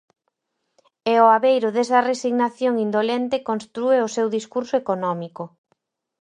E ó abeiro desa resignación indolente constrúe o seu discurso económico.